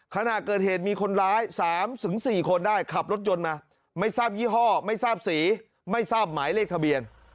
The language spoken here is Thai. ขณะเกิดเหตุมีคนร้าย๓๔คนได้ขับรถยนต์มาไม่ทราบยี่ห้อไม่ทราบสีไม่ทราบหมายเลขทะเบียน